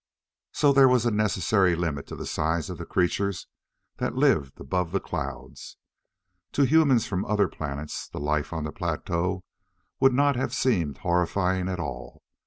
So there was a necessary limit to the size of the creatures that lived above the clouds. To humans from other planets, the life on the plateau would not have seemed horrifying at all.